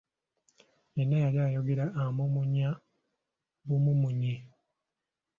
Yenna yali ayogera amuumuunya bumuumuunyi.